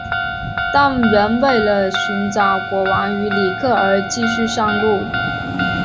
但仍为了寻找国王与里克而继续上路。